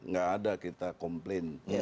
gak ada kita komplain